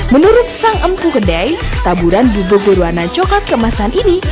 menurut sang empu kedai taburan bubuk berwarna coklat kemasan ini